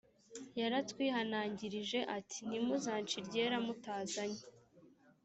yaratwihanangirije ati ntimuzance iryera mutazanye